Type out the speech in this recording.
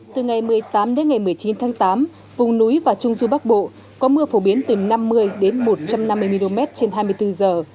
từ ngày một mươi tám đến ngày một mươi chín tháng tám vùng núi và trung du bắc bộ có mưa phổ biến từ năm mươi đến một trăm năm mươi mm trên hai mươi bốn giờ